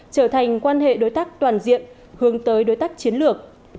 trở thành quan hệ đối tác toàn diện hướng tới đối tác chiến lược